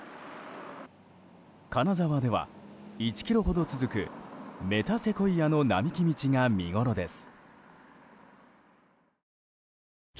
金沢では、１ｋｍほど続くメタセコイアの並木道が見ごろです。